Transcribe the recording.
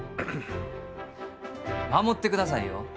守ってくださいよ。